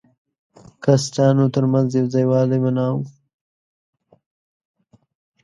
کاسټانو تر منځ یو ځای والی منع وو.